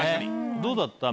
どうだった？